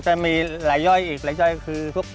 จะมีรายย่อยอีกรายย่อยคือทุก